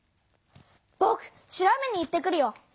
ぼく調べに行ってくるよ！